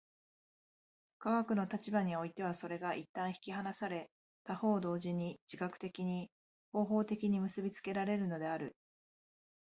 科学の立場においてはそれが一旦引き離され、他方同時に自覚的に、方法的に結び付けられるのである。